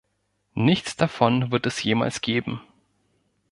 Nichts davon wird es jemals geben!